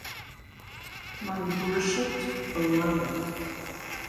My worshiped beloved.